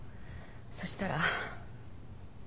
そしたら。